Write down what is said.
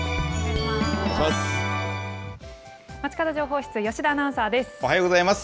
まちかど情報室、吉田アナウンサーです。